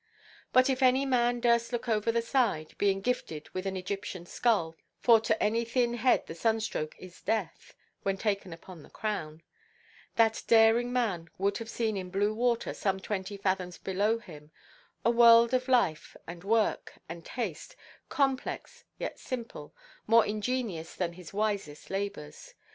But if any man durst look over the side (being gifted with an Egyptian skull, for to any thin head the sunstroke is death, when taken upon the crown), that daring man would have seen in blue water, some twenty fathoms below him, a world of life, and work, and taste, complex, yet simple, more ingenious than his wisest labours.